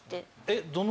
えっ？